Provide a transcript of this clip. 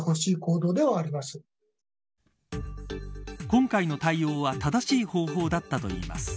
今回の対応は正しい方法だったといいます。